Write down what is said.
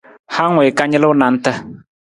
Hang wii ka nalu nanta.